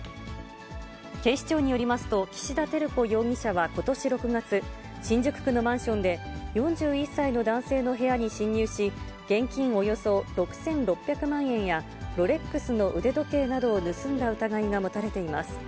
警視庁によりますと、岸田照子容疑者はことし６月、新宿区のマンションで、４１歳の男性の部屋に侵入し、現金およそ６６００万円やロレックスの腕時計などを盗んだ疑いが持たれています。